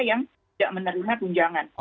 yang tidak menerima tunjangan